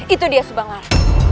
itu dia subangar